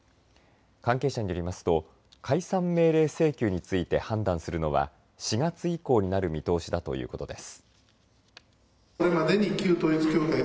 関係者によりますと解散命令請求について判断するのは４月以降になる見通しだということです。